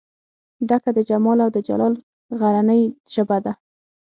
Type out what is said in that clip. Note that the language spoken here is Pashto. ډکه د جمال او دجلال غرنۍ ژبه ده